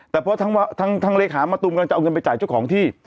แต่เพราะทางเลขามะตูมกำลังจะเอาเงินไปจ่ายเจ้าของที่